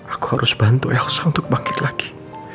aku harus bantu elsa untuk bangkit lagi